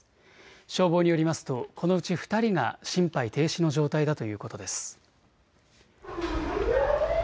消防によりますとこのうち２人が心肺停止の状態だということです。